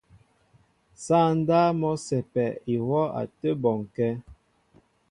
Sááŋ ndáp mɔ́ a sɛ́pɛ ihwɔ́ a tə́ bɔnkɛ́.